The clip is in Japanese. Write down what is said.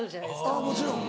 あぁもちろん。